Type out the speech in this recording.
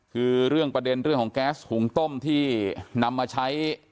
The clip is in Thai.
คือเรื่องประเด็นเรื่องของแก๊สหุงต้มที่นำมาใช้